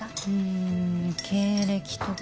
ん経歴とか。